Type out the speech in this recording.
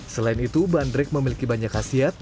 selain itu bandrek memiliki banyak khasiat